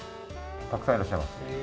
たくさんいらっしゃいます。